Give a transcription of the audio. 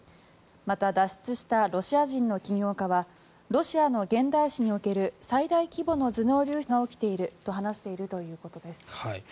また、脱出したロシア人の起業家はロシアの現代史における最大規模の頭脳流出が起きていると話しているということです。